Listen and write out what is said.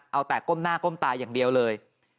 เอาแต่ก้มหน้าก้มตาอย่างเดียวเลย